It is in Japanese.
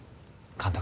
監督。